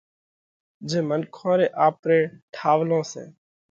جي منکون ري آپري ٺاوَلون سئہ۔